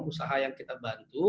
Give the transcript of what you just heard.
usaha yang kita bantu